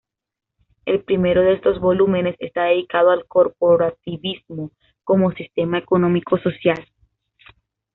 El primero de estos volúmenes está dedicado al corporativismo como sistema económico-social.